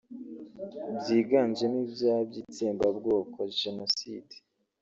byiganjemo ibyaha by’itsembabwoko (genocide)